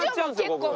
ここが。